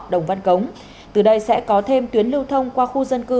đồng văn cống từ đây sẽ có thêm tuyến lưu thông qua khu dân cư